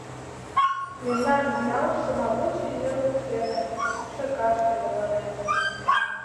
Мемнан ял Шымавуч эҥер воктене, кӱкшакаште, верланен.